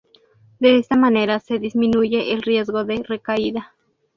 De esta manera se disminuye el riesgo de recaída.